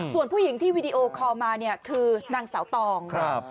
ส่วนผู้หญิงที่วีดีโอคอล์มาคือนางสาวตอง